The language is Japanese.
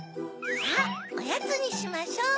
さっおやつにしましょう！